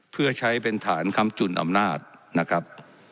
เพื่อใช้เป็นฐานคำจุนอำนาจนะครับ